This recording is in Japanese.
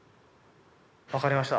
分かりました。